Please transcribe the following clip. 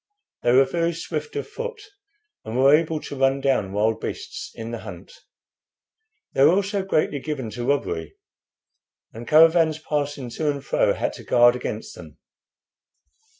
They were very swift of foot, and were able to run down wild beasts in the hunt. They were also greatly given to robbery, and caravans passing to and fro had to guard against them.